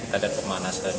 kita ingin perusahaan terbaik